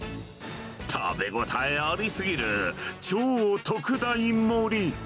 食べ応えありすぎる超特大盛。